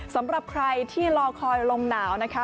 สำหรับใครที่รอคอยลมหนาวนะคะ